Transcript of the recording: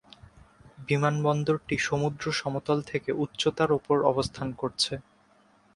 বিমানবন্দরটি সমুদ্র সমতল থেকে উচ্চতার উপর অবস্থান করছে।